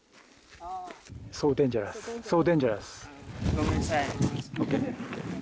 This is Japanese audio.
ごめんなさい。